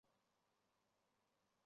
冻尸骨国亮了又灭。